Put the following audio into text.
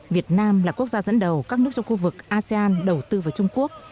việt nam là quốc gia dẫn đầu các nước trong khu vực asean đầu tư vào trung quốc